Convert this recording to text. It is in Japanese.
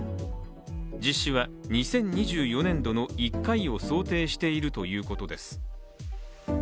実施は２０２４年度の１回を想定しているということです。